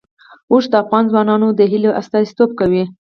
اوښ د افغان ځوانانو د هیلو استازیتوب کوي.